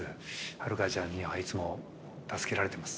ハルカちゃんにはいつも助けられてます。